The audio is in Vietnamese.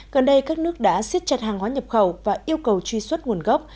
gần đây các nước đã xiết chặt hàng hóa nhập khẩu và yêu cầu truy xuất nguồn gốc